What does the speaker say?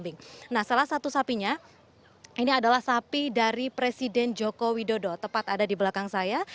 nah salah satu sapinya ini adalah sapi dari presiden joko widodo tepat ada di belakang saya